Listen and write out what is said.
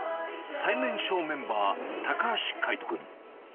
最年少メンバー、高橋海人君。